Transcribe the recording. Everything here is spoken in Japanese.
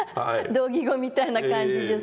同義語みたいな感じで。